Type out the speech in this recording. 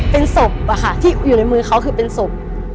เป็นศพที่อยู่ในมือเขาคือเป็นศพ